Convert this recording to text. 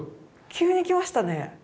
急にきましたね。